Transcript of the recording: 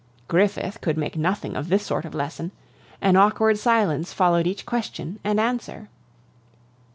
Griffith could make nothing of this sort of lesson. An awkward silence followed each question and answer.